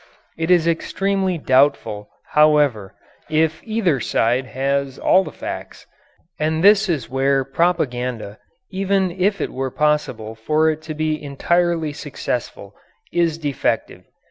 It is extremely doubtful, however, if either side has all the facts. And this is where propaganda, even if it were possible for it to be entirely successful, is defective.